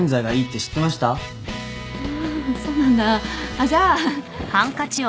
あっじゃあ。